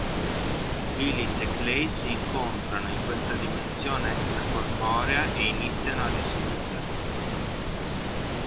Lilith e Clay, si incontrano in questa dimensione extracorporea e iniziano a discutere.